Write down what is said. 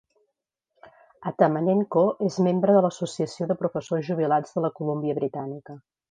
Atamanenko és membre de l'associació de professors jubilats de la Colúmbia Britànica.